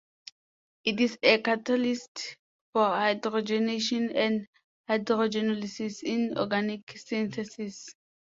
It is a catalyst for hydrogenation and hydrogenolysis in organic synthesis.